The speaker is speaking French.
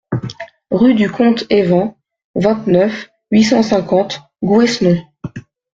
Rue du Comte Even, vingt-neuf, huit cent cinquante Gouesnou